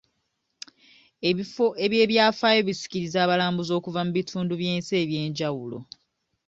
Ebifo eby'ebyafaayo bisikiriza abalambuzi okuva mu bitundu by'ensi eby'enjawulo.